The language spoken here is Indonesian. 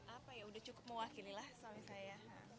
apa ya udah cukup mewakili lah suami saya